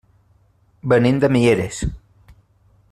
Venim de Mieres.